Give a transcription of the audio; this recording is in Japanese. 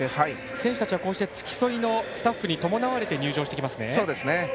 選手たちは付き添いのスタッフに伴われて入場してきます。